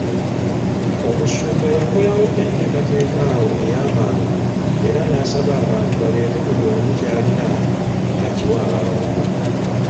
Omusumba yakolawo enteekateeka awo ey'amangu era n'asaba abantu baleete buli omu ky'alina akiwe abalongo.